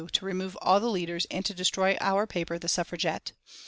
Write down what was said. U., to remove all the leaders and to destroy our paper, the Suffragette.